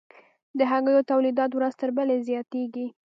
د هګیو تولیدات ورځ تر بلې زیاتیږي